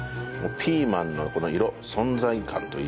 ピーマンのこの色存在感といいね。